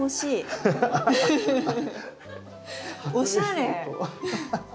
おしゃれ！